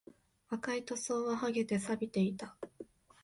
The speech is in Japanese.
赤い塗装は剥げて、錆びていた